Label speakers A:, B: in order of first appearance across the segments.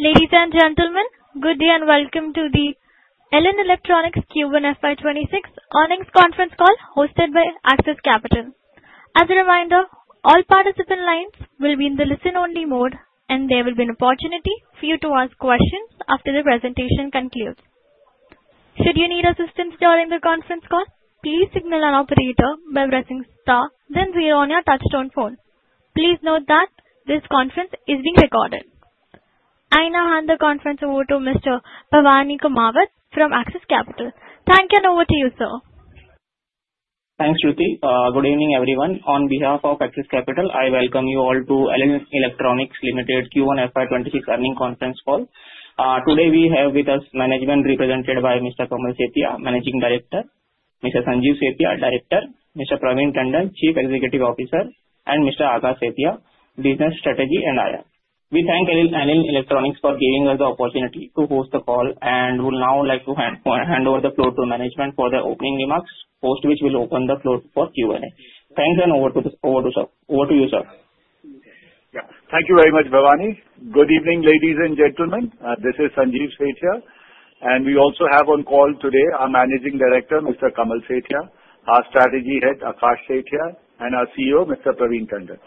A: Ladies and gentlemen, good day and welcome to the Elin Electronics Q1 FY26 earnings conference call hosted by Axis Capital. As a reminder, all participant lines will be in the listen-only mode, and there will be an opportunity for you to ask questions after the presentation concludes. Should you need assistance during the conference call, please signal an operator by pressing star, then zero on your touchtone phone. Please note that this conference is being recorded. I now hand the conference over to Mr. Bhavani Kumar from Axis Capital. Thank you, and over to you, sir.
B: Thanks, Shruti. Good evening, everyone. On behalf of Axis Capital, I welcome you all to Elin Electronics Limited Q1 FY26 earnings conference call. Today, we have with us management represented by Mr. Kamal Sethia, Managing Director, Mr. Sanjeev Sethia, Director, Mr. Praveen Tandon, Chief Executive Officer, and Mr. Aakash Sethia, Business Strategy and IR. We thank Elin Electronics for giving us the opportunity to host the call, and we would now like to hand over the floor to management for the opening remarks, post which we will open the floor for Q&A. Thanks, and over to you, sir.
C: Thank you very much, Bhavani. Good evening, ladies and gentlemen. This is Sanjeev Sethia, and we also have on call today our Managing Director, Mr. Kamal Sethia, our Strategy Head, Akash Sethia, and our CEO, Mr. Praveen Tandon.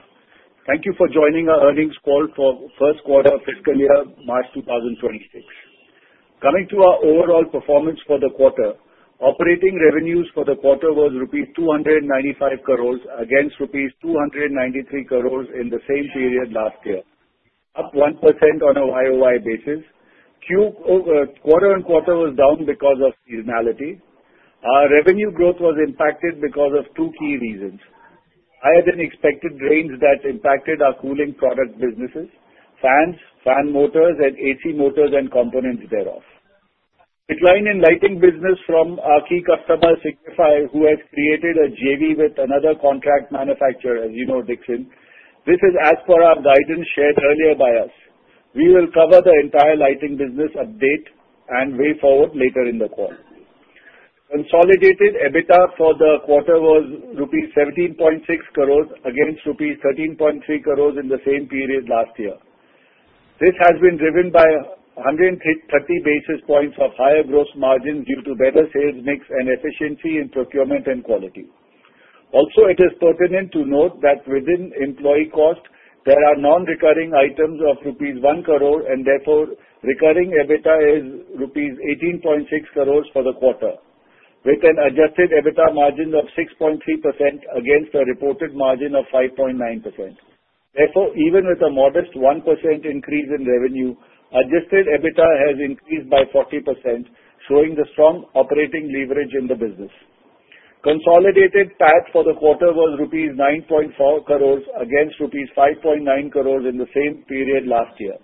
C: Thank you for joining our earnings call for first quarter of fiscal year, March 2026. Coming to our overall performance for the quarter, operating revenues for the quarter was rupees 295 crores against rupees 293 crores in the same period last year, up 1% on a YOY basis. Quarter on quarter was down because of seasonality. Our revenue growth was impacted because of two key reasons: higher than expected rains that impacted our cooling product businesses, fans, fan motors, and AC motors and components thereof. Decline in lighting business from our key customer, Signify, who has created a JV with another contract manufacturer, as you know, Dixon. This is as per our guidance shared earlier by us. We will cover the entire lighting business update and way forward later in the call. Consolidated EBITDA for the quarter was rupees 17.6 crores against rupees 13.3 crores in the same period last year. This has been driven by 130 basis points of higher gross margins due to better sales mix and efficiency in procurement and quality. Also, it is pertinent to note that within employee cost, there are non-recurring items of rupees 1 crore, and therefore, recurring EBITDA is rupees 18.6 crores for the quarter, with an adjusted EBITDA margin of 6.3% against a reported margin of 5.9%. Therefore, even with a modest 1% increase in revenue, adjusted EBITDA has increased by 40%, showing the strong operating leverage in the business. Consolidated PAT for the quarter was rupees 9.4 crores against rupees 5.9 crores in the same period last year.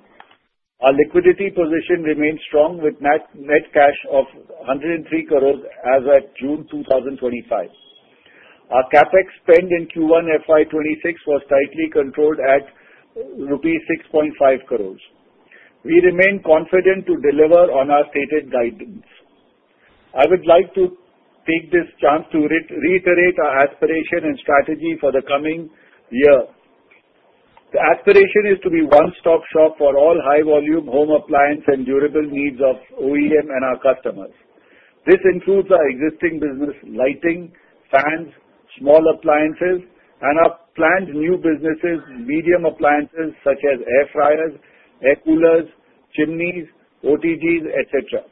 C: Our liquidity position remained strong, with net cash of 103 crores as of June 2025. Our CapEx spend in Q1 FY26 was tightly controlled at rupees 6.5 crores. We remain confident to deliver on our stated guidance. I would like to take this chance to reiterate our aspiration and strategy for the coming year. The aspiration is to be a one-stop shop for all high-volume home appliance and durable needs of OEM and our customers. This includes our existing business: lighting, fans, small appliances, and our planned new businesses: medium appliances such as air fryers, air coolers, chimneys, OTGs, etc.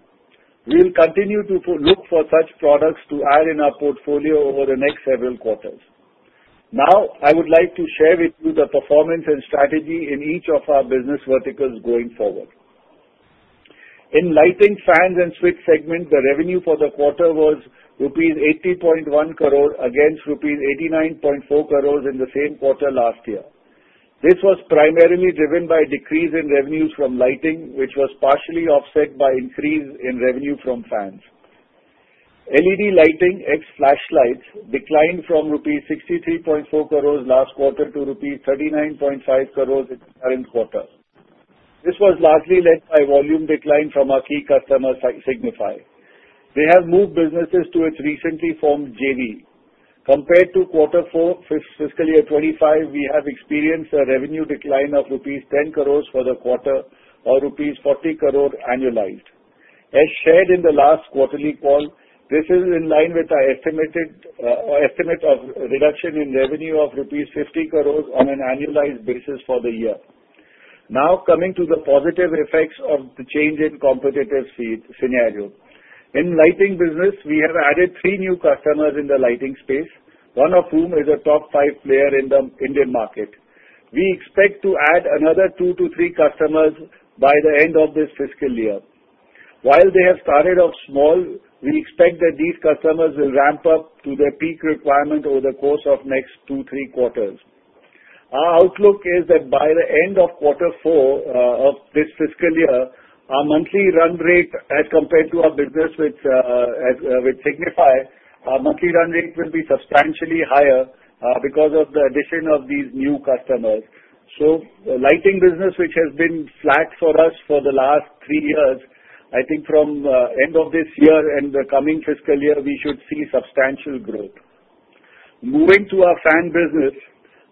C: We will continue to look for such products to add in our portfolio over the next several quarters. Now, I would like to share with you the performance and strategy in each of our business verticals going forward. In lighting, fans, and switch segment, the revenue for the quarter was rupees 80.1 crore against rupees 89.4 crores in the same quarter last year. This was primarily driven by a decrease in revenues from lighting, which was partially offset by an increase in revenue from fans. LED lighting, ex-flashlights, declined from 63.4 crores rupees last quarter to 39.5 crores rupees in the current quarter. This was largely led by volume decline from our key customer, Signify. They have moved businesses to its recently formed JV. Compared to Q4 fiscal year 25, we have experienced a revenue decline of rupees 10 crores for the quarter or rupees 40 crore annualized. As shared in the last quarterly call, this is in line with our estimate of reduction in revenue of rupees 50 crores on an annualized basis for the year. Now, coming to the positive effects of the change in competitive scenario. In lighting business, we have added three new customers in the lighting space, one of whom is a top five player in the Indian market. We expect to add another two to three customers by the end of this fiscal year. While they have started off small, we expect that these customers will ramp up to their peak requirement over the course of the next two, three quarters. Our outlook is that by the end of Q4 of this fiscal year, our monthly run rate, as compared to our business with Signify, our monthly run rate will be substantially higher because of the addition of these new customers. So, the lighting business, which has been flat for us for the last three years, I think from the end of this year and the coming fiscal year, we should see substantial growth. Moving to our fan business,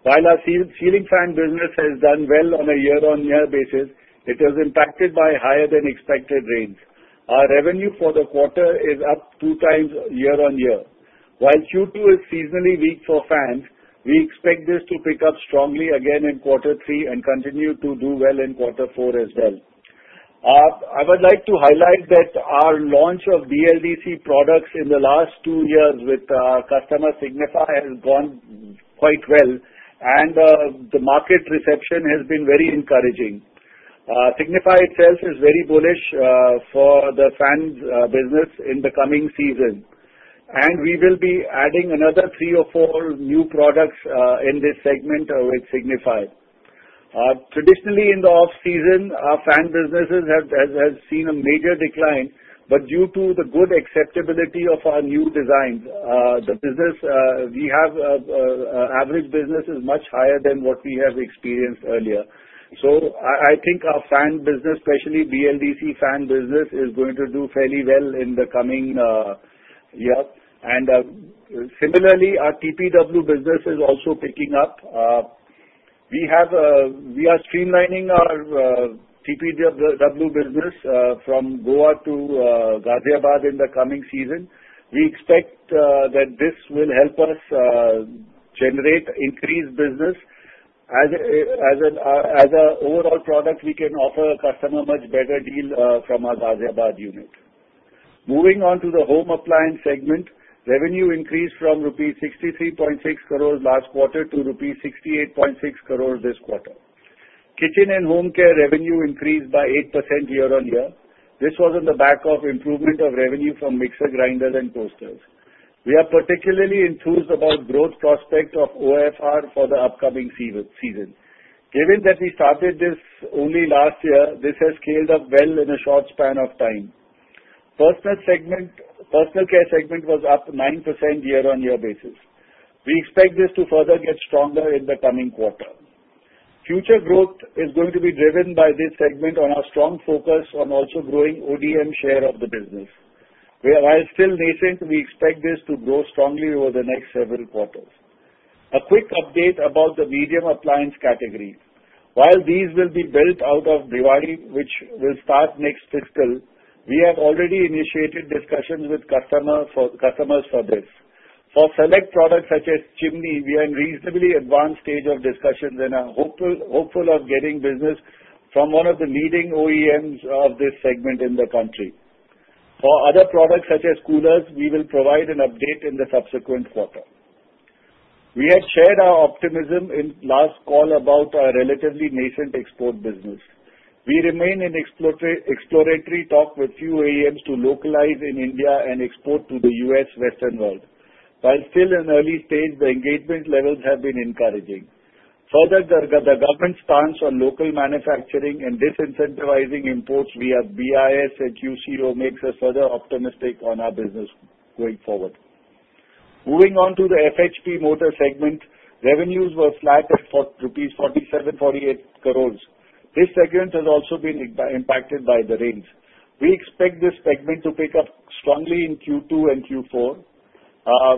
C: while our ceiling fan business has done well on a year-on-year basis, it has impacted by higher than expected rains. Our revenue for the quarter is up two times year-on-year. While Q2 is seasonally weak for fans, we expect this to pick up strongly again in Q3 and continue to do well in Q4 as well. I would like to highlight that our launch of BLDC products in the last two years with our customer Signify has gone quite well, and the market reception has been very encouraging. Signify itself is very bullish for the fan business in the coming season, and we will be adding another three or four new products in this segment with Signify. Traditionally, in the off-season, our fan businesses have seen a major decline, but due to the good acceptability of our new designs, the average business we have is much higher than what we have experienced earlier, so I think our fan business, especially BLDC fan business, is going to do fairly well in the coming year, and similarly, our TPW business is also picking up. We are streamlining our TPW business from Goa to Ghaziabad in the coming season. We expect that this will help us generate increased business. As an overall product, we can offer a customer a much better deal from our Ghaziabad unit. Moving on to the home appliance segment, revenue increased from rupees 63.6 crores last quarter to rupees 68.6 crores this quarter. Kitchen and home care revenue increased by 8% year-on-year. This was on the back of improvement of revenue from mixer grinders and toasters. We are particularly enthused about the growth prospect of OFR for the upcoming season. Given that we started this only last year, this has scaled up well in a short span of time. Personal care segment was up 9% year-on-year basis. We expect this to further get stronger in the coming quarter. Future growth is going to be driven by this segment on our strong focus on also growing ODM share of the business. While still nascent, we expect this to grow strongly over the next several quarters. A quick update about the medium appliance category. While these will be built out of Bhiwadi, which will start next fiscal, we have already initiated discussions with customers for this. For select products such as chimney, we are in a reasonably advanced stage of discussions and are hopeful of getting business from one of the leading OEMs of this segment in the country. For other products such as coolers, we will provide an update in the subsequent quarter. We had shared our optimism in the last call about our relatively nascent export business. We remain in exploratory talk with few OEMs to localize in India and export to the U.S., Western world. While still in early stage, the engagement levels have been encouraging. Further, the government's stance on local manufacturing and disincentivizing imports via BIS and QCO makes us further optimistic on our business going forward. Moving on to the FHP motor segment, revenues were flat at rupees 47.48 crores. This segment has also been impacted by the rains. We expect this segment to pick up strongly in Q2 and Q4.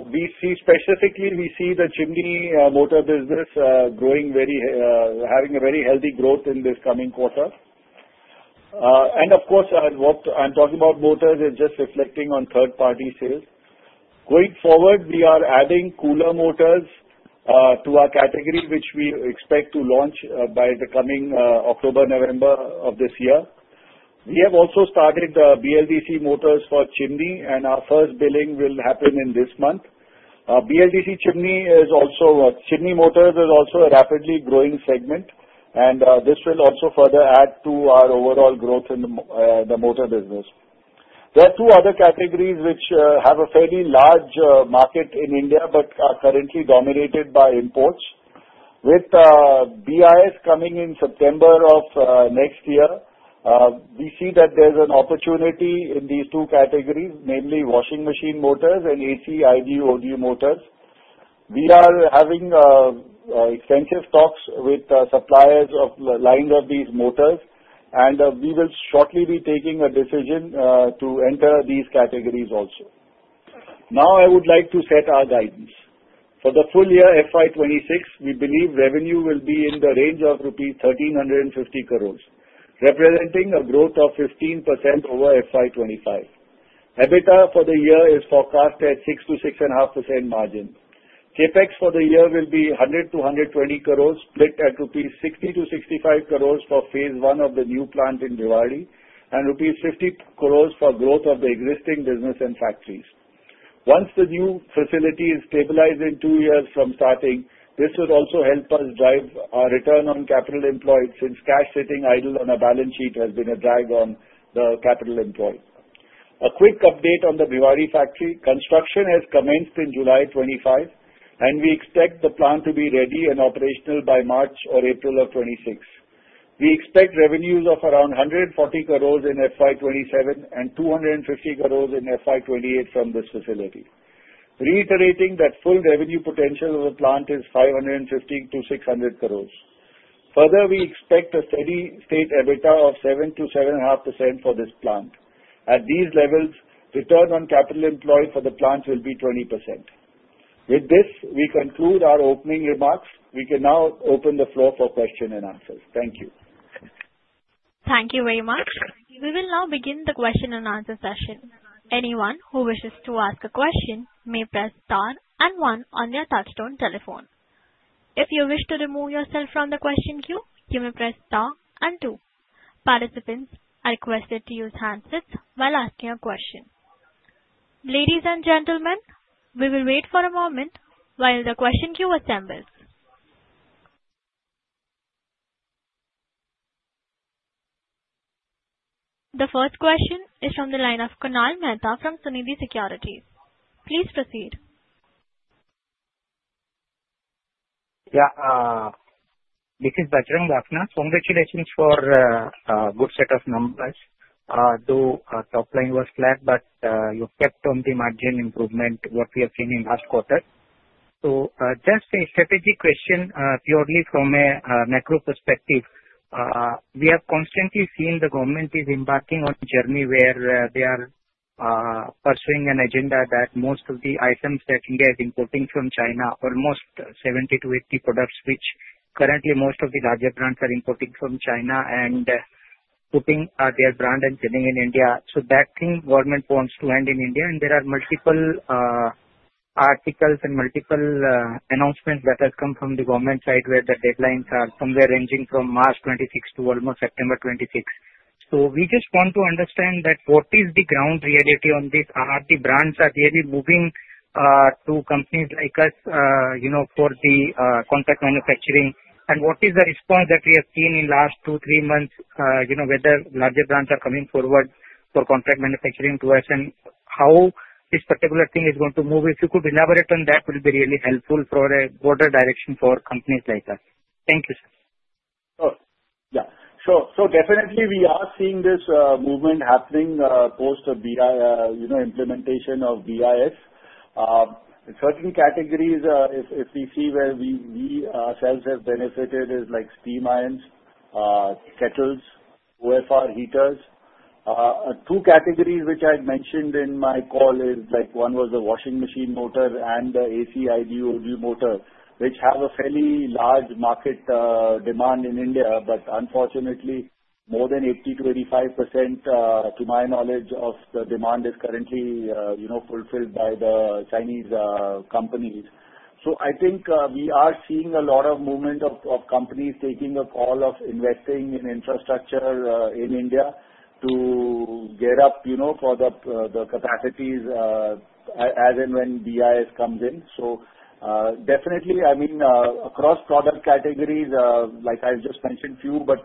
C: Specifically, we see the chimney motor business having a very healthy growth in this coming quarter. And of course, I'm talking about motors and just reflecting on third-party sales. Going forward, we are adding cooler motors to our category, which we expect to launch by the coming October-November of this year. We have also started BLDC motors for chimney, and our first billing will happen in this month. BLDC chimney motors is also a rapidly growing segment, and this will also further add to our overall growth in the motor business. There are two other categories which have a fairly large market in India but are currently dominated by imports. With BIS coming in September of next year, we see that there's an opportunity in these two categories, namely washing machine motors and AC IDU/ODU motors. We are having extensive talks with suppliers of the lines of these motors, and we will shortly be taking a decision to enter these categories also. Now, I would like to set our guidance. For the full year FY26, we believe revenue will be in the range of rupees 1,350 crores, representing a growth of 15% over FY25. EBITDA for the year is forecast at 6%-6.5% margin. CapEx for the year will be 100 crores-120 crores, split at 60 crores-65 crores rupees for phase one of the new plant in Bhiwadi, and rupees 50 crores for growth of the existing business and factories. Once the new facility is stabilized in two years from starting, this would also help us drive our return on capital employed since cash sitting idle on a balance sheet has been a drag on the capital employed. A quick update on the Bhiwadi factory: construction has commenced in July 25, and we expect the plant to be ready and operational by March or April of 2026. We expect revenues of around 140 crores in FY27 and 250 crores in FY28 from this facility. Reiterating that full revenue potential of the plant is 550-600 crores. Further, we expect a steady state EBITDA of 7%-7.5% for this plant. At these levels, return on capital employed for the plant will be 20%. With this, we conclude our opening remarks. We can now open the floor for questions and answers. Thank you.
A: Thank you very much. We will now begin the question and answer session. Anyone who wishes to ask a question may press star and one on their touch-tone telephone. If you wish to remove yourself from the question queue, you may press star and two. Participants are requested to use handsets while asking a question. Ladies and gentlemen, we will wait for a moment while the question queue assembles. The first question is from the line of Kunal Mehta from Sunidhi Securities. Please proceed.
D: Yeah. This is Bajrang Bafna. Congratulations for a good set of numbers. Although top line was flat, but you kept on the margin improvement, what we have seen in the last quarter. So just a strategic question purely from a macro perspective. We have constantly seen the government is embarking on a journey where they are pursuing an agenda that most of the items that India is importing from China, almost 70-80 products, which currently most of the larger brands are importing from China and putting their brand and selling in India. So that thing the government wants to end in India, and there are multiple articles and multiple announcements that have come from the government side where the deadlines are somewhere ranging from March 26 to almost September 26. So we just want to understand that what is the ground reality on this? Are the brands really moving to companies like us for the contract manufacturing? And what is the response that we have seen in the last two, three months, whether larger brands are coming forward for contract manufacturing to us, and how this particular thing is going to move? If you could elaborate on that, it will be really helpful for a broader direction for companies like us. Thank you.
C: Yeah. So definitely, we are seeing this movement happening post implementation of BIS. Certain categories, if we see where we ourselves have benefited, is like steam irons, kettles, OFR heaters. Two categories which I had mentioned in my call is one was the washing machine motor and the AC IDU/ODU motor, which have a fairly large market demand in India, but unfortunately, more than 80%-85% to my knowledge of the demand is currently fulfilled by the Chinese companies. So I think we are seeing a lot of movement of companies taking a call of investing in infrastructure in India to get up for the capacities as and when BIS comes in. So definitely, I mean, across product categories, like I've just mentioned a few, but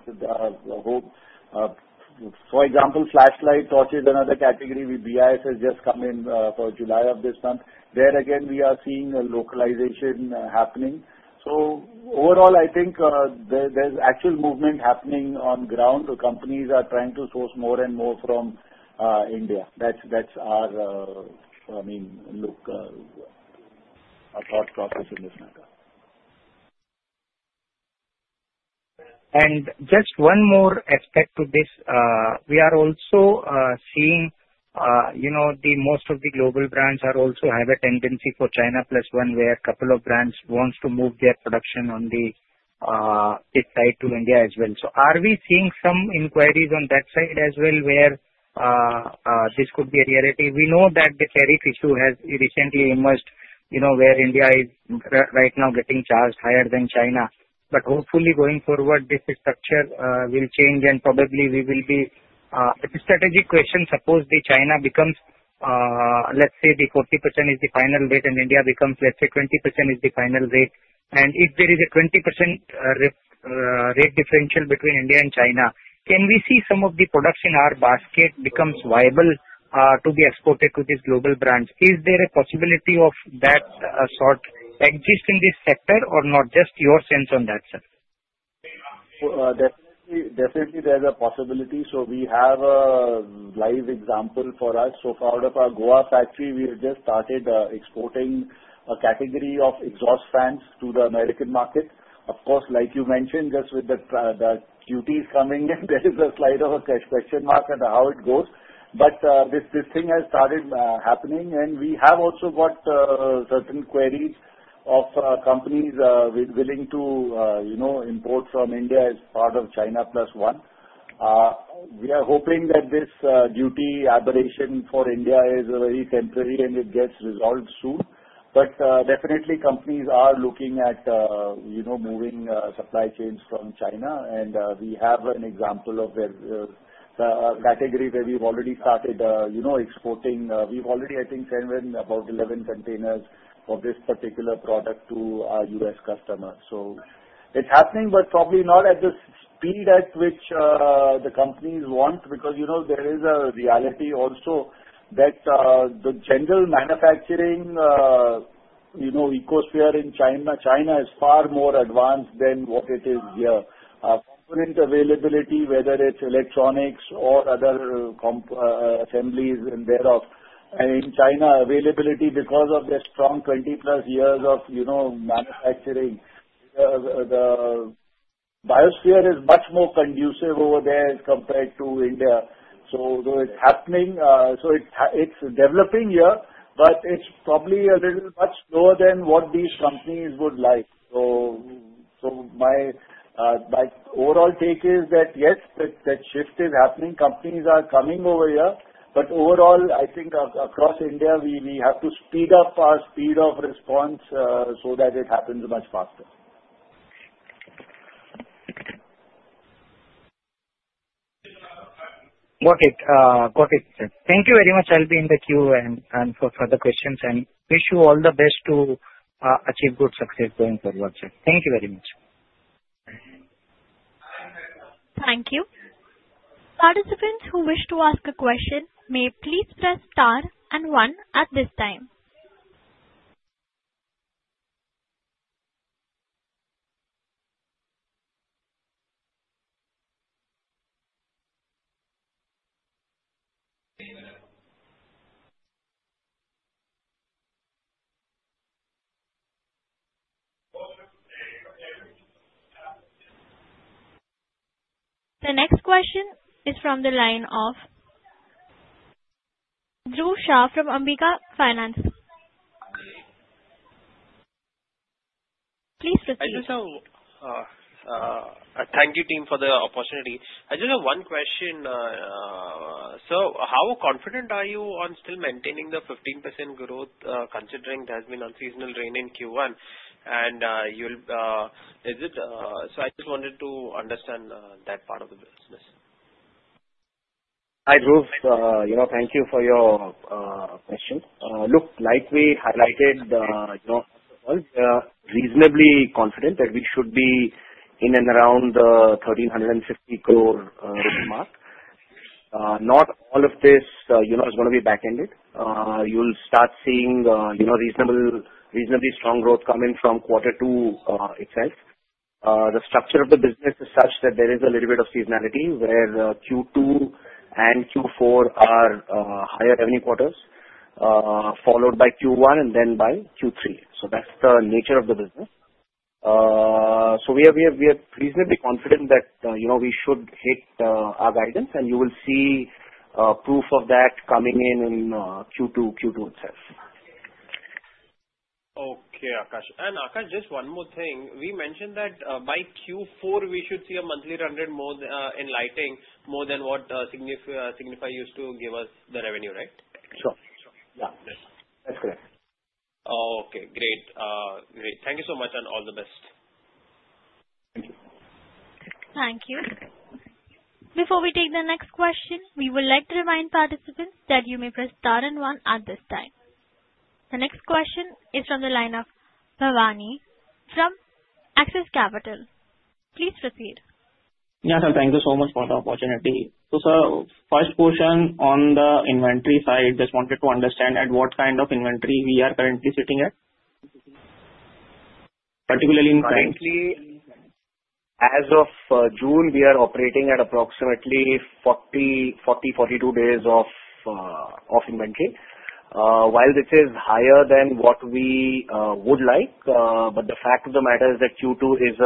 C: for example, flashlight torch is another category with BIS has just come in for July of this month. There again, we are seeing localization happening. So overall, I think there's actual movement happening on ground. Companies are trying to source more and more from India. That's our, I mean, look, our thought process in this matter.
D: And just one more aspect to this. We are also seeing most of the global brands also have a tendency for China Plus One, where a couple of brands want to move their production on the side to India as well. So are we seeing some inquiries on that side as well where this could be a reality? We know that the tariff issue has recently emerged where India is right now getting charged higher than China. But hopefully, going forward, this structure will change, and probably we will be a strategic question. Suppose China becomes, let's say the 40% is the final rate, and India becomes, let's say 20% is the final rate. And if there is a 20% rate differential between India and China, can we see some of the products in our basket become viable to be exported to these global brands? Is there a possibility of that sort existing in this sector or not? Just your sense on that, sir.
C: Definitely, there's a possibility. So we have a live example for us. So far out of our Goa factory, we have just started exporting a category of exhaust fans to the American market. Of course, like you mentioned, just with the QCOs coming, there is a slight question mark on how it goes. But this thing has started happening, and we have also got certain queries of companies willing to import from India as part of China Plus One. We are hoping that this duty aberration for India is very temporary, and it gets resolved soon. But definitely, companies are looking at moving supply chains from China, and we have an example of a category where we've already started exporting. We've already, I think, sent in about 11 containers for this particular product to our US customers. So it's happening, but probably not at the speed at which the companies want because there is a reality also that the general manufacturing ecosystem in China is far more advanced than what it is here. Component availability, whether it's electronics or other assemblies and thereof. And in China, availability because of their strong 20-plus years of manufacturing. The ecosystem is much more conducive over there as compared to India. So it's happening. So it's developing here, but it's probably a little much slower than what these companies would like. So my overall take is that, yes, that shift is happening. Companies are coming over here. But overall, I think across India, we have to speed up our speed of response so that it happens much faster.
D: Got it. Got it, sir. Thank you very much. I'll be in the queue for further questions, and wish you all the best to achieve good success going forward, sir. Thank you very much.
A: Thank you. Participants who wish to ask a question may please press star and one at this time. The next question is from the line of Dhruv Shah from Ambika Finance. Please proceed.
E: Thank you, team, for the opportunity. I just have one question. So how confident are you on still maintaining the 15% growth considering there has been unseasonal rain in Q1? And is it? So I just wanted to understand that part of the business.
F: Hi Dhruv. Thank you for your question. Look, like we highlighted, we are reasonably confident that we should be in and around the 1,350 crore rupee mark. Not all of this is going to be back-ended. You'll start seeing reasonably strong growth coming from quarter two itself. The structure of the business is such that there is a little bit of seasonality where Q2 and Q4 are higher revenue quarters, followed by Q1 and then by Q3. So that's the nature of the business. So we are reasonably confident that we should hit our guidance, and you will see proof of that coming in Q2, Q2 itself.
E: Okay. Aakash. And Aakash, just one more thing. We mentioned that by Q4, we should see a monthly run rate in lighting more than what Signify used to give us the revenue, right?
F: Sure. Yeah. That's correct.
E: Okay. Great. Great. Thank you so much and all the best.
A: Thank you. Thank you. Before we take the next question, we would like to remind participants that you may press star and one at this time. The next question is from the line of Bhavani from Axis Capital. Please proceed.
B: Yeah. Sir, thank you so much for the opportunity. So sir, first question on the inventory side, just wanted to understand at what kind of inventory we are currently sitting at, particularly in clients?
F: Currently, as of June, we are operating at approximately 40-42 days of inventory, while this is higher than what we would like. But the fact of the matter is that Q2 is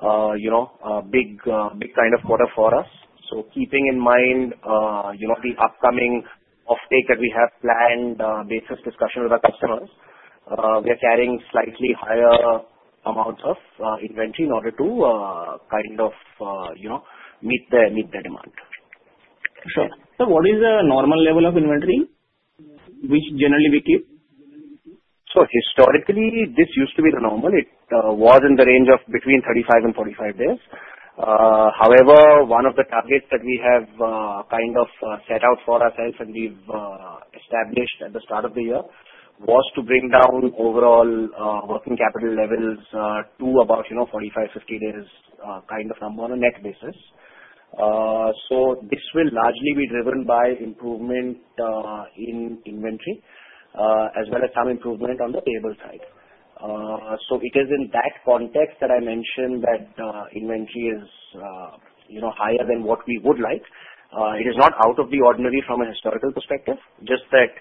F: a big kind of quarter for us. So keeping in mind the upcoming offtake that we have planned based on discussion with our customers, we are carrying slightly higher amounts of inventory in order to kind of meet their demand.
B: Sure. So what is the normal level of inventory which generally we keep?
F: So historically, this used to be the normal. It was in the range of between 35 and 45 days. However, one of the targets that we have kind of set out for ourselves and we've established at the start of the year was to bring down overall working capital levels to about 45-50 days kind of number on a net basis. So this will largely be driven by improvement in inventory as well as some improvement on the table side. So it is in that context that I mentioned that inventory is higher than what we would like. It is not out of the ordinary from a historical perspective, just that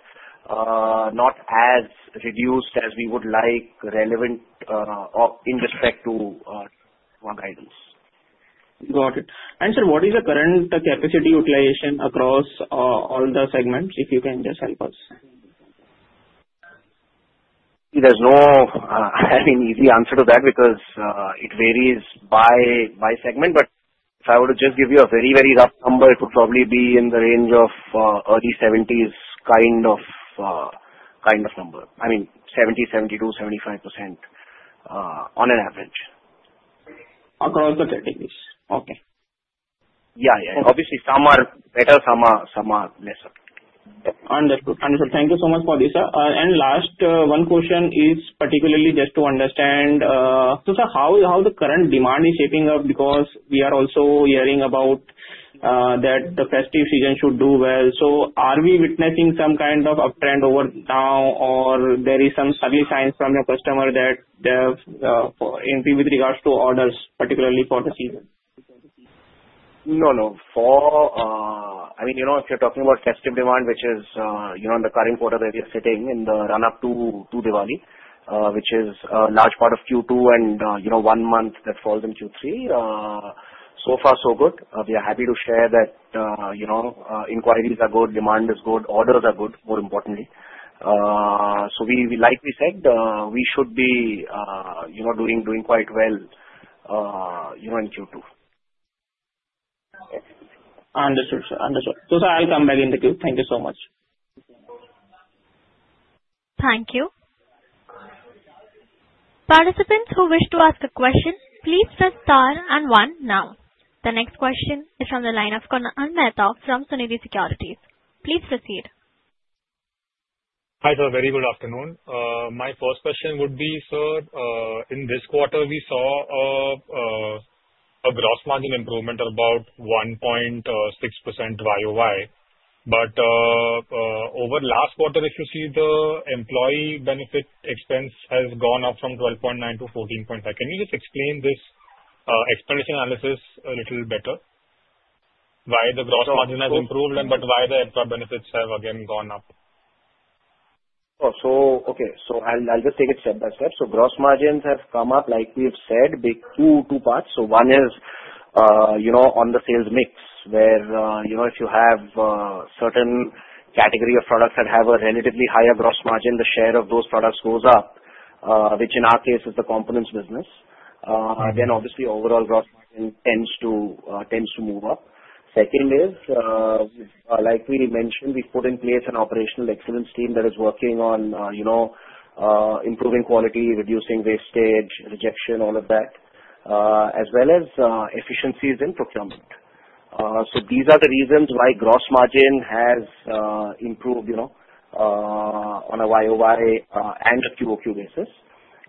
F: not as reduced as we would like, relevant in respect to our guidance.
B: Got it. Sir, what is the current capacity utilization across all the segments if you can just help us?
F: There's no easy answer to that because it varies by segment. But if I were to just give you a very, very rough number, it would probably be in the range of early 70s kind of number. I mean, 70, 72, 75% on average. Across the categories. Okay. Yeah. Yeah. Obviously, some are better, some are lesser.
B: Understood. Understood. Thank you so much for this, sir. And the last one question is particularly just to understand, so sir, how the current demand is shaping up because we are also hearing about that the festive season should do well. So are we witnessing some kind of uptrend overall now, or there is some early signs from your customer that they have anxiety with regards to orders, particularly for the season?
F: No, no. I mean, if you're talking about festive demand, which is in the current quarter that we are sitting in the run-up to Diwali, which is a large part of Q2 and one month that falls in Q3, so far, so good. We are happy to share that inquiries are good, demand is good, orders are good, more importantly. So like we said, we should be doing quite well in Q2.
B: Understood, sir. Understood. So sir, I'll come back in the queue. Thank you so much.
A: Thank you. Participants who wish to ask a question, please press star and one now. The next question is from the line of Kunal Mehta from Sunidhi Securities. Please proceed.
G: Hi sir. Very good afternoon. My first question would be, sir, in this quarter, we saw a gross margin improvement of about 1.6% YOY. But over last quarter, if you see the employee benefit expense has gone up from 12.9 to 14.5. Can you just explain this explanation analysis a little better? Why the gross margin has improved, but why the benefits have again gone up?
F: Okay. So I'll just take it step by step. So gross margins have come up, like we've said, big two parts. So one is on the sales mix, where if you have certain category of products that have a relatively higher gross margin, the share of those products goes up, which in our case is the components business. Then obviously, overall gross margin tends to move up. Second is, like we mentioned, we've put in place an operational excellence team that is working on improving quality, reducing wastage, rejection, all of that, as well as efficiencies in procurement. So these are the reasons why gross margin has improved on a YOY and a QOQ basis.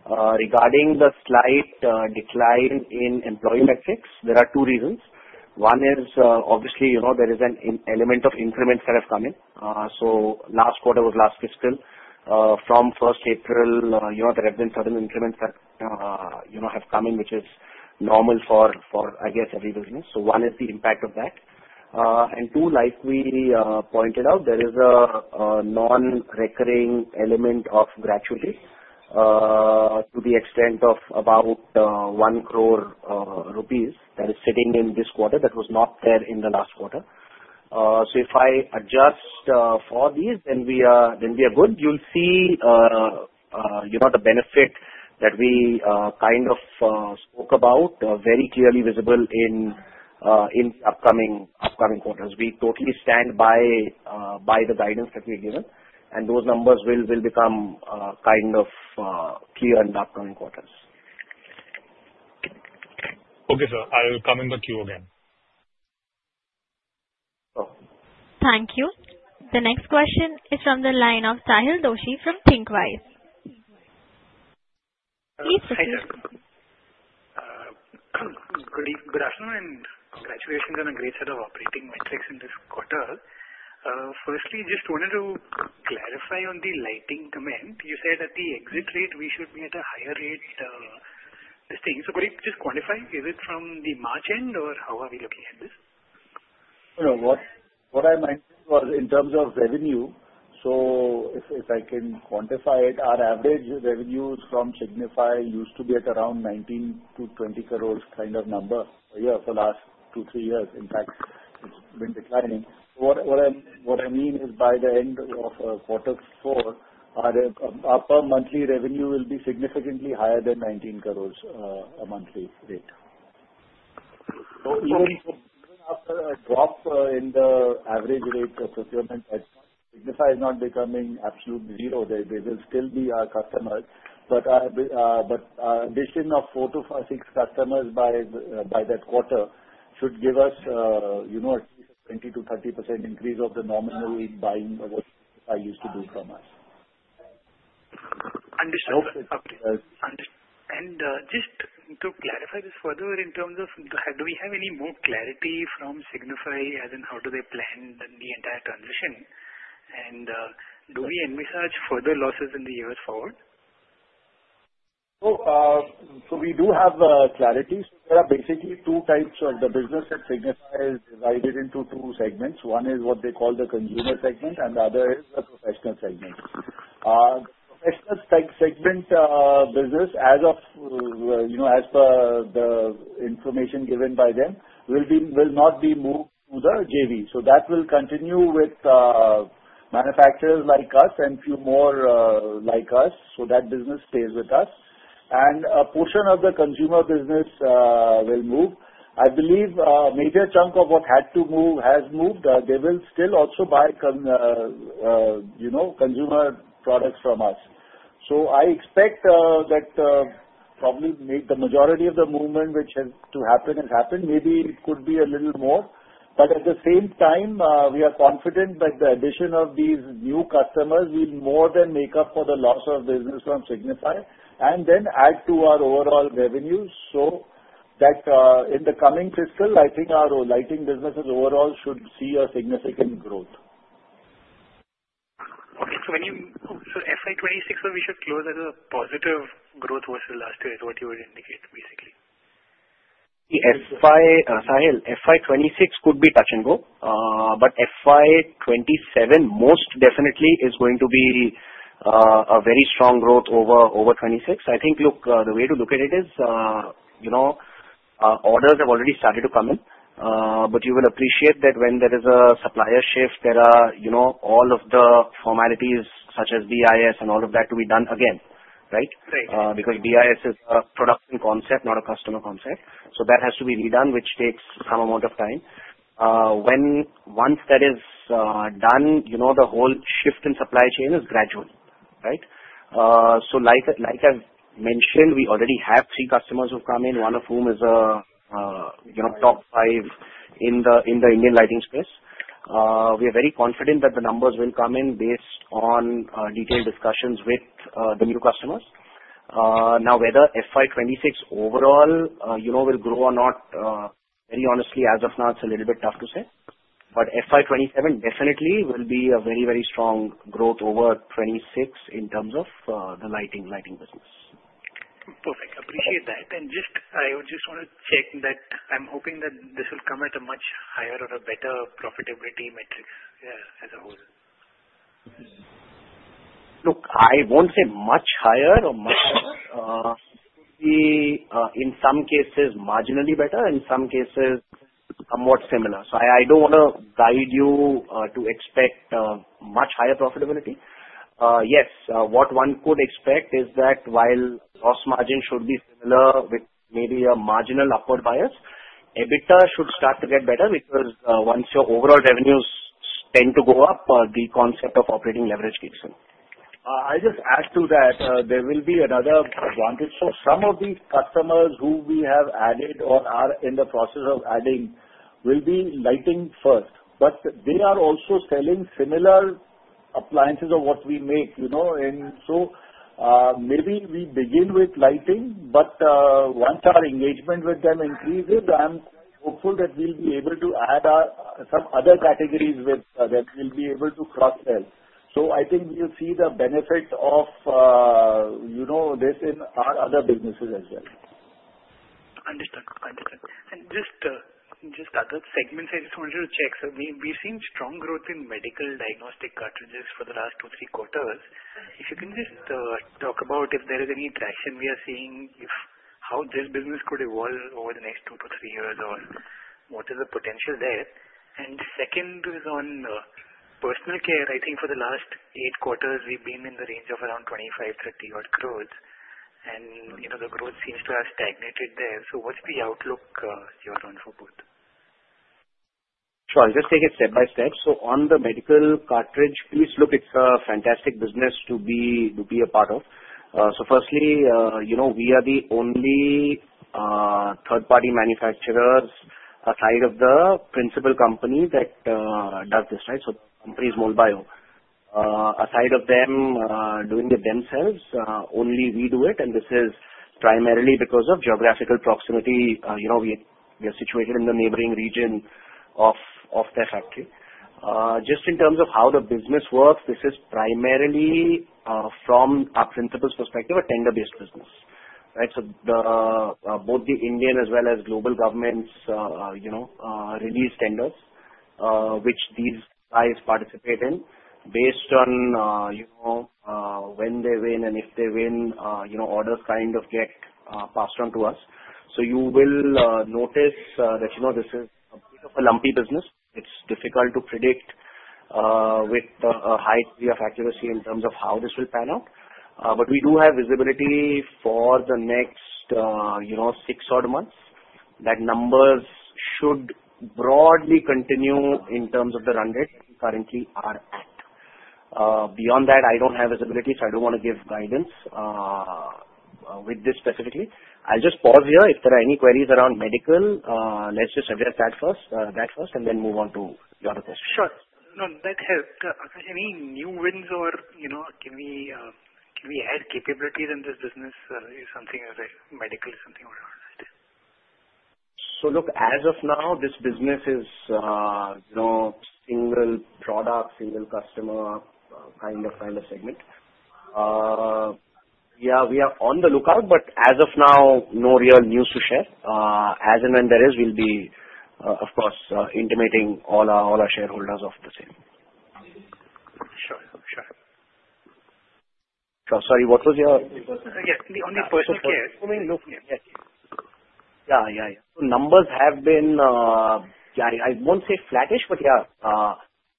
F: Regarding the slight decline in employee metrics, there are two reasons. One is obviously there is an element of increments that have come in. So last quarter was last fiscal. From first April, there have been certain increments that have come in, which is normal for, I guess, every business. So one is the impact of that. And two, like we pointed out, there is a non-recurring element of gratuity to the extent of about 1 crore rupees that is sitting in this quarter that was not there in the last quarter. So if I adjust for these, then we are good. You'll see the benefit that we kind of spoke about very clearly visible in upcoming quarters. We totally stand by the guidance that we've given, and those numbers will become kind of clear in the upcoming quarters.
G: Okay, sir. I'll come in the queue again.
A: Thank you. The next question is from the line of Sahil Doshi from Thinqwise. Please proceed.
H: Good afternoon and congratulations on a great set of operating metrics in this quarter. Firstly, just wanted to clarify on the lighting demand. You said at the exit rate, we should be at a higher rate this time. So could you just quantify? Is it from the March end, or how are we looking at this?
F: What I meant was in terms of revenue. So if I can quantify it, our average revenues from Signify used to be at around 19 crores-20 crores kind of number for last two, three years. In fact, it's been declining. What I mean is by the end of quarter four, our per monthly revenue will be significantly higher than 19 crores a monthly rate. So even after a drop in the average rate of procurement, Signify is not becoming absolute zero. There will still be our customers. But our addition of four to six customers by that quarter should give us at least a 20%-30% increase of the nominal in buying what Signify used to do from us.
H: Understood. And just to clarify this further, in terms of do we have any more clarity from Signify as in how do they plan the entire transition? And do we envisage further losses in the years forward?
F: So we do have clarity. There are basically two types of the business that Signify has divided into two segments. One is what they call the consumer segment, and the other is the professional segment. The professional segment business, as per the information given by them, will not be moved to the JV. So that will continue with manufacturers like us and a few more like us so that business stays with us. And a portion of the consumer business will move. I believe a major chunk of what had to move has moved. They will still also buy consumer products from us. So I expect that probably the majority of the movement which has to happen has happened. Maybe it could be a little more. But at the same time, we are confident that the addition of these new customers will more than make up for the loss of business from Signify and then add to our overall revenue. So in the coming fiscal, I think our lighting businesses overall should see a significant growth.
H: Okay. So FY26, we should close as a positive growth versus last year, is what you would indicate, basically.
F: Sahil, FY26 could be touch and go. But FY27, most definitely, is going to be a very strong growth over FY26. I think the way to look at it is orders have already started to come in. But you will appreciate that when there is a supplier shift, there are all of the formalities such as BIS and all of that to be done again, right? Because BIS is a production concept, not a customer concept. So that has to be redone, which takes some amount of time. Once that is done, the whole shift in supply chain is gradual, right? So like I've mentioned, we already have three customers who've come in, one of whom is a top five in the Indian lighting space. We are very confident that the numbers will come in based on detailed discussions with the new customers. Now, whether FY26 overall will grow or not, very honestly, as of now, it's a little bit tough to say. But FY27 definitely will be a very, very strong growth over 26 in terms of the lighting business.
H: Perfect. Appreciate that. And I would just want to check that I'm hoping that this will come at a much higher or a better profitability metric as a whole.
F: Look, I won't say much higher or much higher. In some cases, marginally better. In some cases, somewhat similar. So I don't want to guide you to expect much higher profitability. Yes, what one could expect is that while gross margin should be similar with maybe a marginal upward bias, EBITDA should start to get better because once your overall revenues tend to go up, the concept of operating leverage kicks in.
C: I'll just add to that there will be another advantage. So some of the customers who we have added or are in the process of adding will be lighting first. But they are also selling similar appliances of what we make. And so maybe we begin with lighting, but once our engagement with them increases, I'm hopeful that we'll be able to add some other categories that we'll be able to cross-sell. So I think we'll see the benefit of this in our other businesses as well.
H: Understood. Understood. And just other segments, I just wanted to check. We've seen strong growth in medical diagnostic cartridges for the last two, three quarters. If you can just talk about if there is any traction we are seeing, how this business could evolve over the next two to three years, or what is the potential there? And second is on personal care. I think for the last eight quarters, we've been in the range of around 25-30-odd crores. And the growth seems to have stagnated there. So what's the outlook you have on for both?
F: Sure. I'll just take it step by step. So on the medical cartridge, please look, it's a fantastic business to be a part of. So firstly, we are the only third-party manufacturers aside of the principal company that does this, right? So the company is Molbio. Aside of them doing it themselves, only we do it. This is primarily because of geographical proximity. We are situated in the neighboring region of their factory. Just in terms of how the business works, this is primarily, from our principal's perspective, a tender-based business, right? So both the Indian as well as global governments release tenders, which these guys participate in, based on when they win and if they win, orders kind of get passed on to us. So you will notice that this is a bit of a lumpy business. It's difficult to predict with a high degree of accuracy in terms of how this will pan out. But we do have visibility for the next six odd months. That number should broadly continue in terms of the run rate that we currently are at. Beyond that, I don't have visibility, so I don't want to give guidance with this specifically. I'll just pause here. If there are any queries around medical, let's just address that first and then move on to the other questions.
H: Sure. No, that helped. Any new wins or can we add capabilities in this business or something as a medical something?
F: So look, as of now, this business is single product, single customer kind of segment. Yeah, we are on the lookout, but as of now, no real news to share. As and when there is, we'll be, of course, intimating all our shareholders of the same.
H: Sure. Sure.
F: Sorry, what was your?
H: Yes, the only person who cares.
F: Yeah. Yeah. Yeah. So numbers have been, yeah, I won't say flattish, but yeah,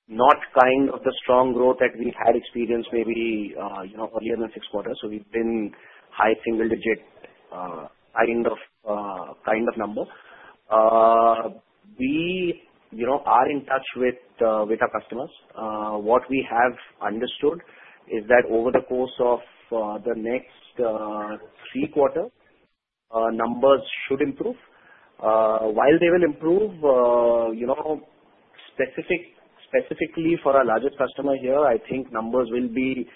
F: not kind of the strong growth that we had experienced maybe earlier in the six quarters. So we've been high single-digit kind of number. We are in touch with our customers. What we have understood is that over the course of the next three quarters, numbers should improve. While they will improve, specifically for our largest customer here, I think numbers will be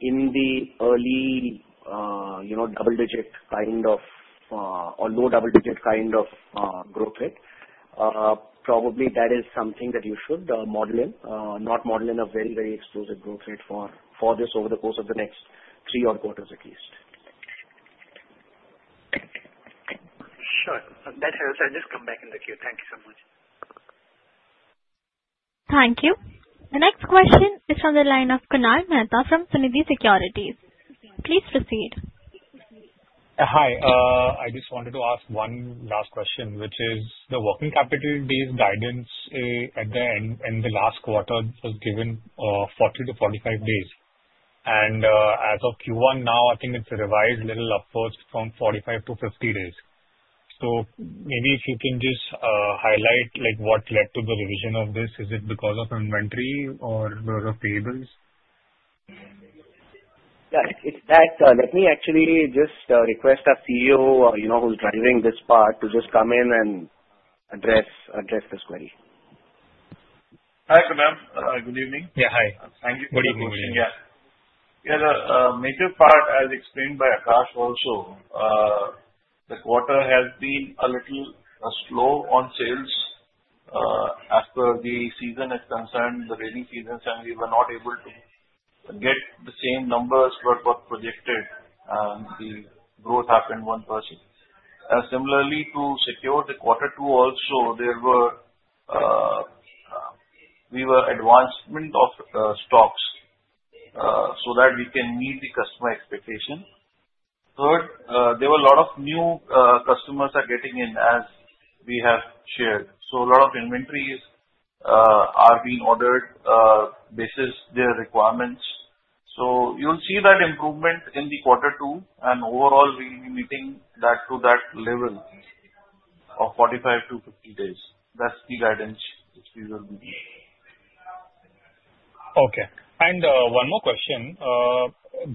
F: in the early double-digit kind of or low double-digit kind of growth rate. Probably that is something that you should model in, not model in a very, very exclusive growth rate for this over the course of the next three odd quarters at least.
H: Sure. That helps. I'll just come back in the queue. Thank you so much.
A: Thank you. The next question is from the line of Kunal Mehta from Sunidhi Securities. Please proceed.
G: Hi. I just wanted to ask one last question, which is the working capital-based guidance at the end in the last quarter was given 40 to 45 days. And as of Q1 now, I think it's revised a little upwards from 45 to 50 days. So maybe if you can just highlight what led to the revision of this, is it because of inventory or because of payables?
B: Yeah. Let me actually just request our CEO who's driving this part to just come in and address this query.
I: Hi, Kunal. Good evening.
G: Yeah. Hi.
I: Thank you for the question. Yeah. Yeah. The major part, as explained by Aakash also, the quarter has been a little slow on sales. As per the season as concerned, the rainy seasons, and we were not able to get the same numbers as what was projected. The growth happened 1%. Similarly, to secure the quarter two also, we were advancement of stocks so that we can meet the customer expectation. Third, there were a lot of new customers getting in, as we have shared. So a lot of inventories are being ordered based on their requirements. So you'll see that improvement in the quarter two. And overall, we'll be meeting that to that level of 45-50 days. That's the guidance which we will be.
G: Okay. And one more question.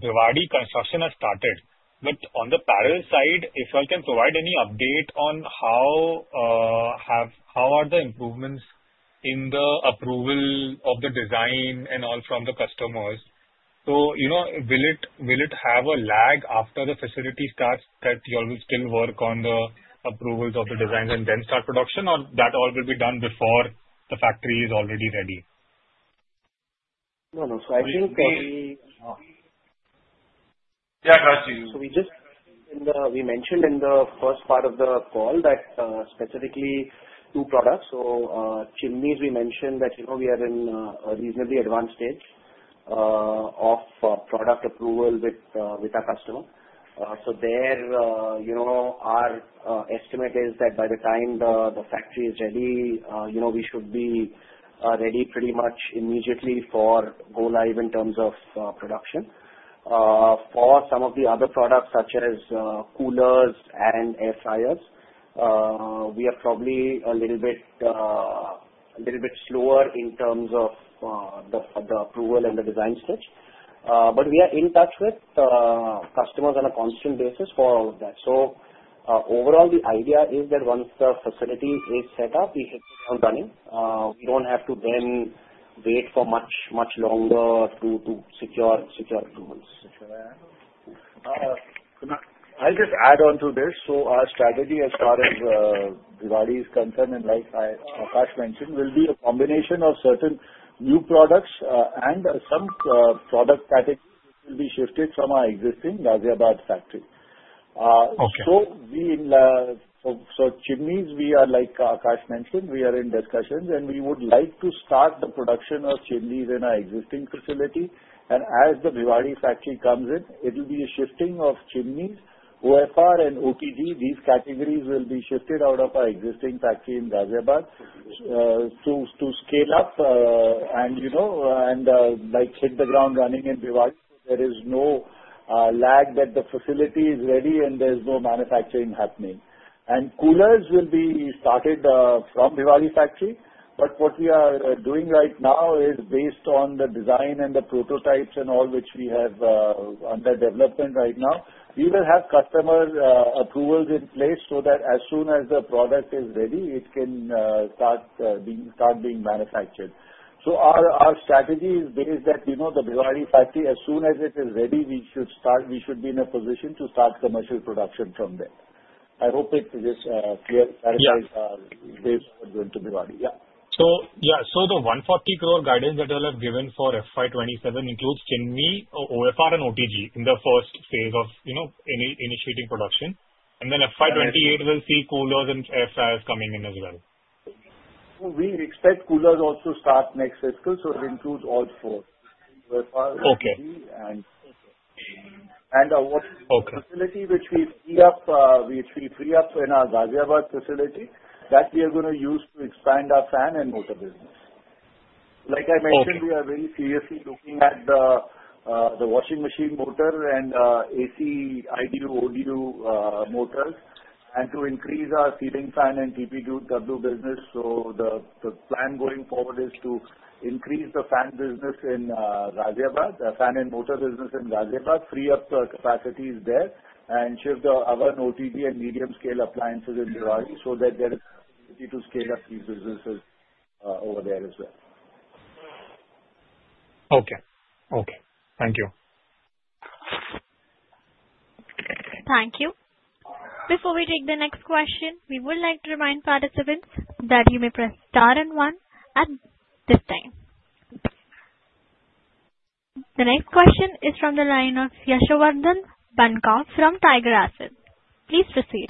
G: Bhiwadi construction has started. But on the parallel side, if you all can provide any update on how are the improvements in the approval of the design and all from the customers. So will it have a lag after the facility starts that you all will still work on the approvals of the designs and then start production, or that all will be done before the factory is already ready?
I: No, no. So I think we, yeah, Akash.
F: So we mentioned in the first part of the call that specifically two products. So chimneys, we mentioned that we are in a reasonably advanced stage of product approval with our customer. So our estimate is that by the time the factory is ready, we should be ready pretty much immediately for go-live in terms of production. For some of the other products, such as coolers and air fryers, we are probably a little bit slower in terms of the approval and the design stage. But we are in touch with customers on a constant basis for all of that. So overall, the idea is that once the facility is set up, we hit the ground running. We don't have to then wait for much longer to secure approvals.
C: I'll just add on to this. So our strategy, as far as Bhiwadi is concerned and like Aakash mentioned, will be a combination of certain new products and some product that will be shifted from our existing Ghaziabad factory. So chimneys, we are, like Aakash mentioned, we are in discussions, and we would like to start the production of chimneys in our existing facility. And as the Bhiwadi factory comes in, it will be a shifting of chimneys, OFR, and OTG. These categories will be shifted out of our existing factory in Ghaziabad to scale up and hit the ground running in Bhiwadi. There is no lag that the facility is ready and there's no manufacturing happening. And coolers will be started from Bhiwadi factory. But what we are doing right now is based on the design and the prototypes and all which we have under development right now. We will have customer approvals in place so that as soon as the product is ready, it can start being manufactured. So our strategy is based that the Bhiwadi factory, as soon as it is ready, we should be in a position to start commercial production from there. I hope it's just clear that it is based on Bhiwadi.
G: Yeah. So yeah. So the 140 crore guidance that you all have given for FY27 includes chimney, OFR, and OTG in the first phase of initiating production. And then FY28 will see coolers and air fryers coming in as well. We expect coolers also to start next fiscal, so it includes all four: OFR, OTG, and OFR. And our facility, which we free up in our Ghaziabad facility, that we are going to use to expand our fan and motor business.
C: Like I mentioned, we are very seriously looking at the washing machine motor and AC IDU/ODU motors, and to increase our ceiling fan and TPW business. So the plan going forward is to increase the fan business in Ghaziabad, the fan and motor business in Ghaziabad, free up the capacities there, and shift the other OTG and medium-scale appliances in Bhiwadi so that there is an opportunity to scale up these businesses over there as well.
G: Okay. Okay. Thank you.
A: Thank you. Before we take the next question, we would like to remind participants that you may press star and one at this time. The next question is from the line of Yashovardhan Banka from Tiger Assets. Please proceed.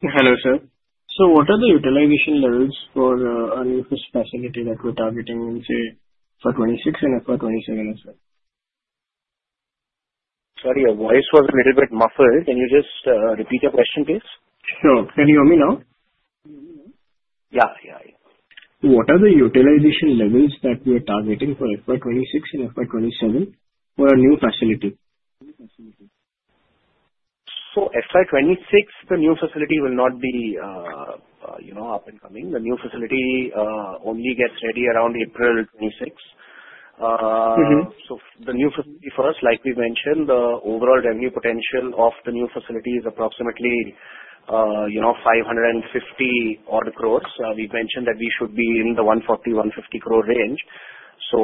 J: Hello, sir. So what are the utilization levels for a new facility that we're targeting in, say, FY26 and FY27 as well?
F: Sorry, your voice was a little bit muffled. Can you just repeat your question, please?
J: Sure. Can you hear me now? Yeah. Yeah. Yeah. What are the utilization levels that we are targeting for FY26 and FY27 for a new facility?
F: So FY26, the new facility will not be up and running. The new facility only gets ready around April 2026. So the new facility, first, like we mentioned, the overall revenue potential of the new facility is approximately 550-odd crores. We've mentioned that we should be in the 140 crore- 150 crore range. So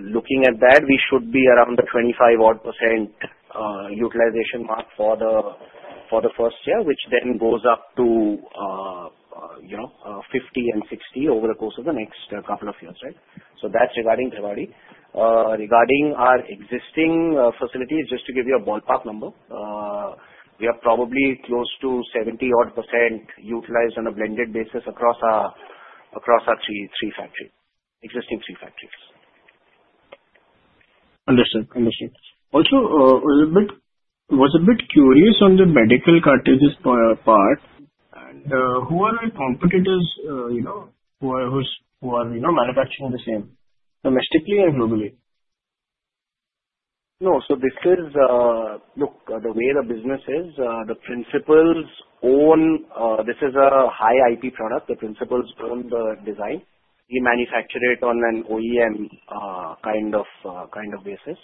F: looking at that, we should be around the 25-odd% utilization mark for the first year, which then goes up to 50%-60% over the course of the next couple of years, right? So that's regarding Bhiwadi. Regarding our existing facility, just to give you a ballpark number, we are probably close to 70-odd% utilized on a blended basis across our three existing factories.
J: Understood. Understood. Also, I was a bit curious on the medical cartridges part. And who are the competitors who are manufacturing the same domestically and globally?
F: No. So this is, look, the way the business is, the principals own this. This is a high IP product. The principals own the design. We manufacture it on an OEM kind of basis.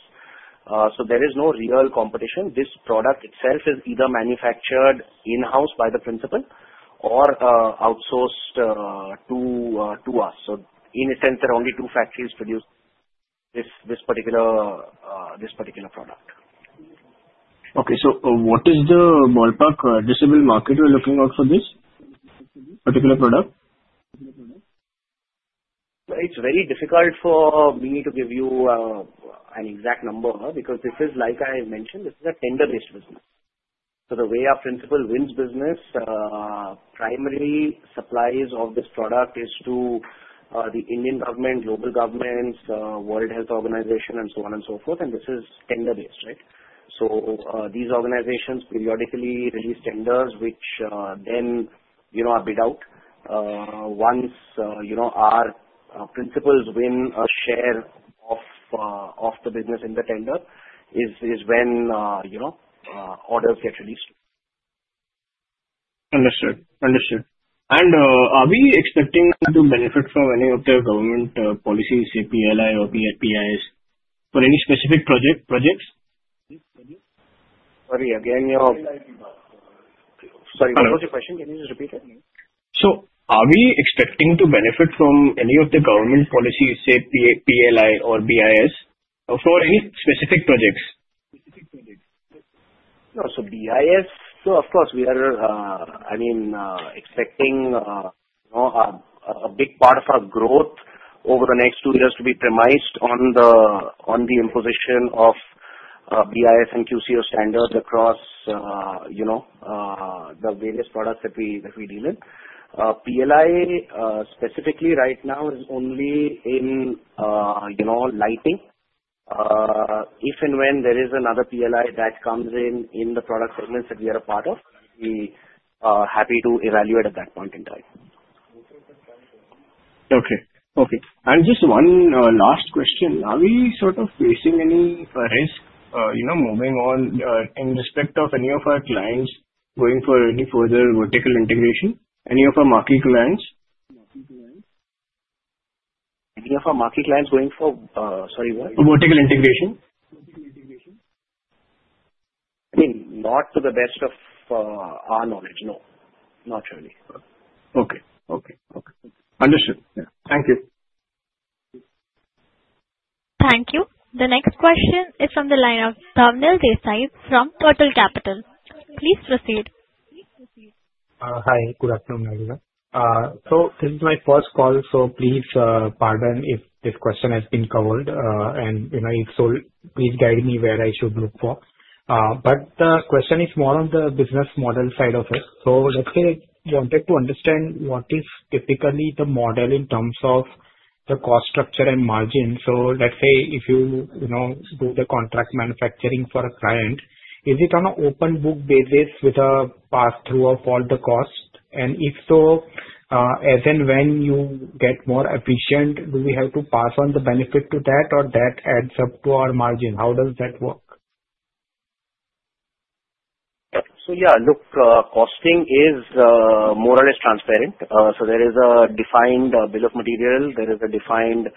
F: So there is no real competition. This product itself is either manufactured in-house by the principal or outsourced to us. So in a sense, there are only two factories producing this particular product.
J: Okay. So what is the ballpark addressable market we're looking at for this particular product?
F: It's very difficult for me to give you an exact number because this is, like I mentioned, this is a tender-based business. So the way our principal wins business, primary supplies of this product is to the Indian government, global governments, World Health Organization, and so on and so forth. And this is tender-based, right? So these organizations periodically release tenders, which then are bid out. Once our principals win a share of the business in the tender, is when orders get released.
J: Understood. Understood. And are we expecting to benefit from any of the government policies, say, PLI or BIS for any specific projects?
F: Sorry, again, your, sorry, what was your question? Can you just repeat it?
J: So are we expecting to benefit from any of the government policies, say, PLI or BIS for any specific projects? Specific projects.
F: No. So, BIS, so of course, we are, I mean, expecting a big part of our growth over the next two years to be premised on the imposition of BIS and QCO standards across the various products that we deal in. PLI, specifically right now, is only in lighting. If and when there is another PLI that comes in the product segments that we are a part of, we are happy to evaluate at that point in time.
J: Okay. Okay. And just one last question. Are we sort of facing any risk moving on in respect of any of our clients going for any further vertical integration? Any of our marquee clients?
F: Any of our marquee clients going for, sorry, what?
J: Vertical integration?
F: I mean, not to the best of our knowledge. No. Not really.
J: Okay. Okay. Okay. Understood. Yeah. Thank you.
A: Thank you. The next question is from the line of Swapnil Desai from Capital One. Please proceed.
K: Hi. Good afternoon, everyone. So this is my first call, so please pardon if the question has been covered. And if so, please guide me where I should look for. But the question is more on the business model side of it. So let's say I wanted to understand what is typically the model in terms of the cost structure and margin. So let's say if you do the contract manufacturing for a client, is it on an open book basis with a pass-through of all the costs? And if so, as and when you get more efficient, do we have to pass on the benefit to that, or that adds up to our margin? How does that work?
F: So yeah, look, costing is more or less transparent. So there is a defined bill of material. There is a defined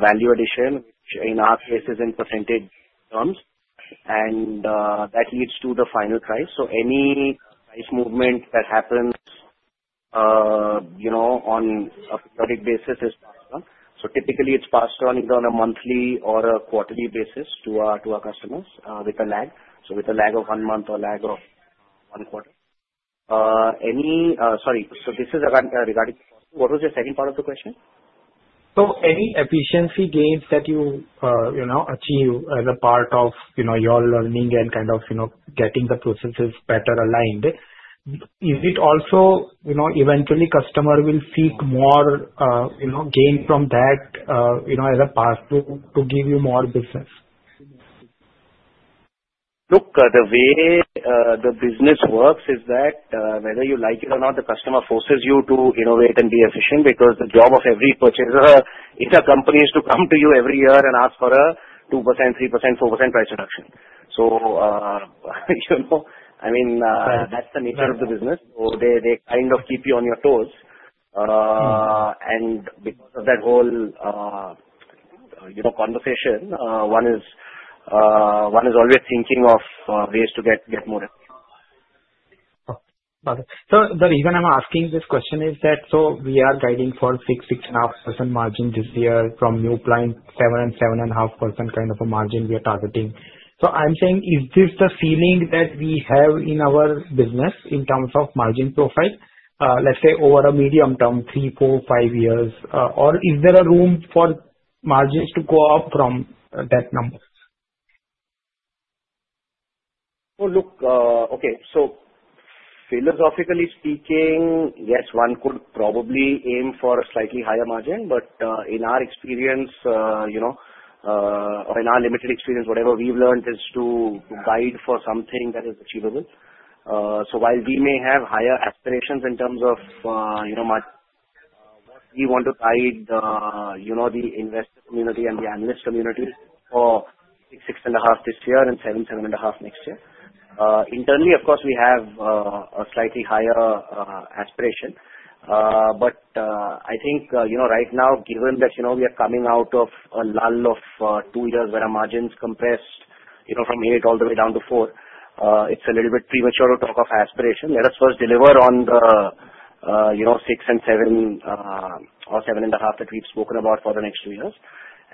F: value addition, which in our case is in percentage terms. And that leads to the final price. So any price movement that happens on a periodic basis is passed on. So typically, it's passed on either on a monthly or a quarterly basis to our customers with a lag. So with a lag of one month or a lag of one quarter. Sorry. So this is regarding what was the second part of the question?
K: So any efficiency gains that you achieve as a part of your learning and kind of getting the processes better aligned, is it also eventually customer will seek more gain from that as a pass-through to give you more business?
F: Look, the way the business works is that whether you like it or not, the customer forces you to innovate and be efficient because the job of every purchaser is a company is to come to you every year and ask for a 2%, 3%, 4% price reduction. So I mean, that's the nature of the business. So they kind of keep you on your toes. And because of that whole conversation, one is always thinking of ways to get more efficient.
K: Okay. So the reason I'm asking this question is that so we are guiding for 6-6.5% margin this year from new clients, 7%-7.5% kind of a margin we are targeting. So I'm saying, is this the feeling that we have in our business in terms of margin profile, let's say over a medium term, three, four, five years, or is there a room for margins to go up from that number?
F: Well, look, okay. So philosophically speaking, yes, one could probably aim for a slightly higher margin. But in our experience, or in our limited experience, whatever we've learned is to guide for something that is achievable. So while we may have higher aspirations in terms of what we want to guide the investor community and the analyst community for 6, 6.5 this year and 7, 7.5 next year, internally, of course, we have a slightly higher aspiration. But I think right now, given that we are coming out of a lull of two years where our margins compressed from 8% all the way down to 4%, it's a little bit premature to talk of aspiration. Let us first deliver on the 6% and 7% or 7.5% that we've spoken about for the next two years.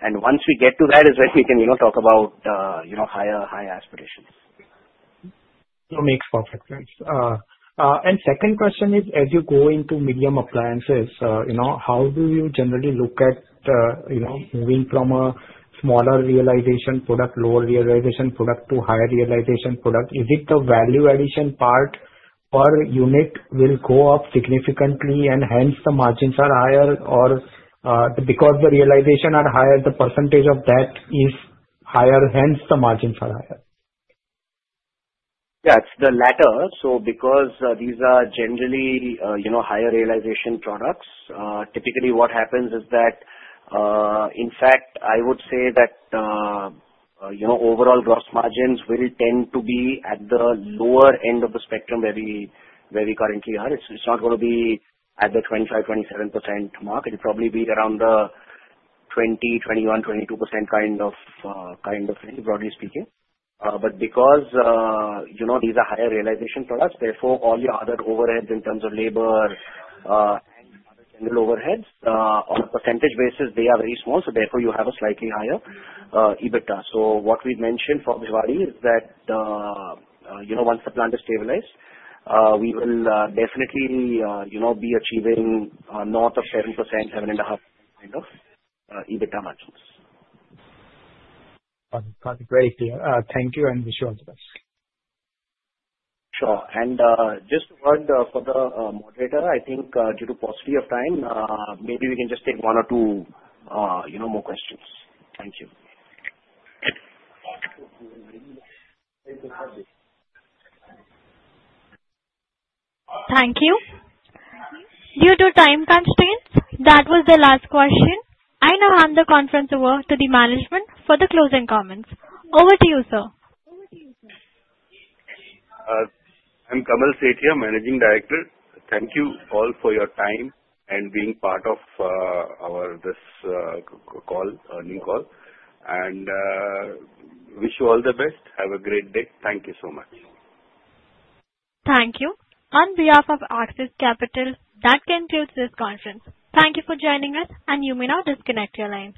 F: And once we get to that is when we can talk about higher aspirations.
K: That makes perfect sense. And second question is, as you go into medium appliances, how do you generally look at moving from a smaller realization product, lower realization product to higher realization product? Is it the value addition part per unit will go up significantly and hence the margins are higher, or because the realization are higher, the percentage of that is higher, hence the margins are higher?
F: Yeah. It's the latter. So because these are generally higher realization products, typically what happens is that, in fact, I would say that overall gross margins will tend to be at the lower end of the spectrum where we currently are. It's not going to be at the 25%-27% mark. It'll probably be around the 20%-22% kind of thing, broadly speaking. But because these are higher realization products, therefore all your other overheads in terms of labor and other general overheads, on a percentage basis, they are very small. So therefore you have a slightly higher EBITDA. So what we've mentioned for Bhiwadi is that once the plant is stabilized, we will definitely be achieving north of 7%-7.5% kind of EBITDA margins.
K: That's great. Thank you and wish you all the best.
F: Sure. And just one for the moderator, I think due to paucity of time, maybe we can just take one or two more questions. Thank you.
A: Thank you. Due to time constraints, that was the last question. I now hand the conference over to the management for the closing comments. Over to you, sir.
L: I'm Kamal Sethia, Managing Director. Thank you all for your time and being part of this call, earnings call. And wish you all the best. Have a great day. Thank you so much.
A: Thank you. On behalf of Axis Capital, that concludes this conference. Thank you for joining us, and you may now disconnect your line.